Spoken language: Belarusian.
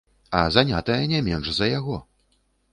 А занятая не менш за яго.